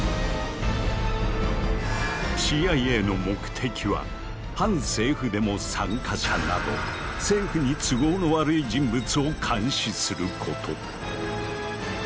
ＣＩＡの目的は反政府デモ参加者など政府に都合の悪い人物を監視すること。